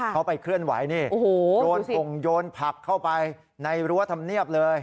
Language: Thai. เขาไปเคลื่อนไหวนี่โยนส่งโยนผักเข้าไปในรั้วธรรมเนียบเลย